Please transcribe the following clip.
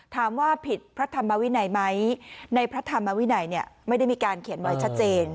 ถามว่าผิดพระธรรมวินัยไหมในพระธรรมวินัยไม่ได้มีการเขียนไว้ชัดเจน